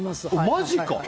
マジか？